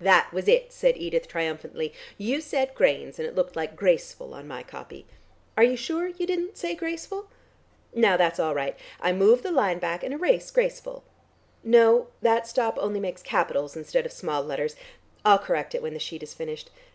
"That was it!" said Edith triumphantly. "You said 'grains,' and it looked like 'graceful' on my copy. Are you sure you didn't say 'graceful'? Now that's all right. I move the line back and erase 'graceful.' No, that stop only makes capitals instead of small letters. I'll correct it when the sheet is finished.